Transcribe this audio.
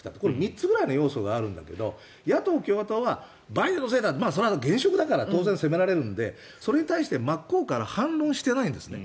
３つぐらいの要素があるんだけど野党・共和党はバイデンのせいだそれは現職だから当然責められるのでそれに対して、真っ向から反論してないんですね。